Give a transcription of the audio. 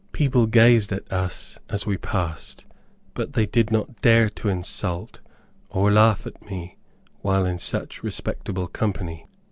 People gazed at us as we passed, but they did not dare to insult, or laugh at me, while in such respectable company.